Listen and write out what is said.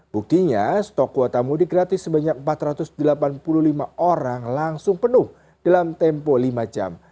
buktinya stok kuota mudik gratis sebanyak empat ratus delapan puluh lima orang langsung penuh dalam tempo lima jam